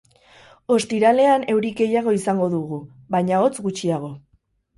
Ostiralean euri gehiago izango dugu, baina hotz gutxiago.